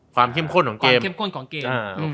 ความเข้มข้นของเกม